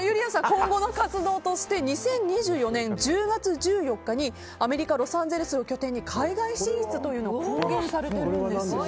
今後の活動として２０２４年１０月１４日にアメリカ・ロサンゼルスを拠点に海外進出を公言されているんですよね。